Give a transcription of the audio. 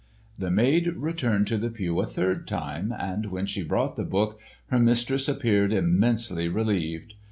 The maid returned to the pew a third time, and when she brought the book, her mistress appeared immensely relieved.